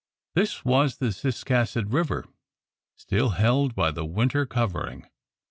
This was the Ciscasset River, still held by its winter covering.